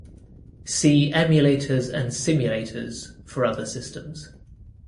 See Emulators and Simulators for other systems.